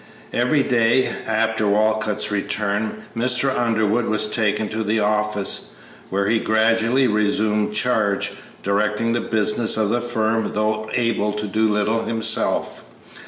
Every day after Walcott's return Mr. Underwood was taken to the office, where he gradually resumed charge, directing the business of the firm though able to do little himself.